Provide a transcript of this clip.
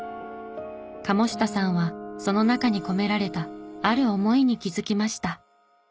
鴨下さんはその中に込められたある思いに気づきました。